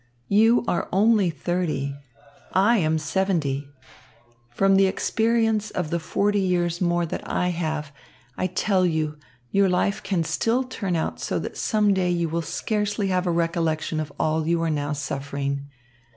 You are only thirty. I am seventy. From the experience of the forty years more that I have, I tell you, your life can still turn out so that some day you will scarcely have a recollection of all you are now suffering.